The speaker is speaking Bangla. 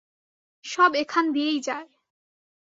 সব এখান দিয়েই যায়।